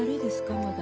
まだ。